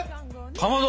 かまど！